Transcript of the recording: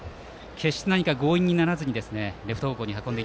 決して強引にならずにレフト方向に運んだ